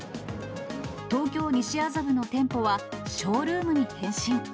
東京・西麻布の店舗は、ショールームに変身。